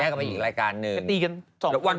แยกกลับไปอีกรายการหนึ่ง